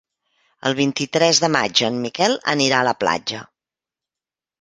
El vint-i-tres de maig en Miquel anirà a la platja.